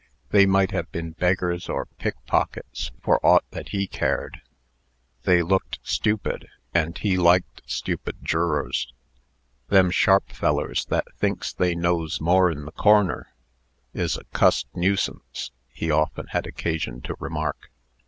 They might have been beggars or pickpockets, for aught that he cared. They looked stupid, and he liked stupid jurors. "Them sharp fellers that thinks they knows more'n the cor'ner, is a cussed nuisance," he often had occasion to remark.